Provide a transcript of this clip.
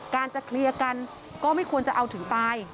การเกลียรกเเกินก็ไม่ควรจะเอาถึงตาย